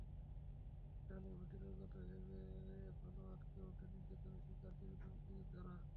ডালিম হোটেলের কথা ভেবে এখনো আঁতকে ওঠেন নির্যাতনের শিকার জীবিত মুক্তিযোদ্ধারা।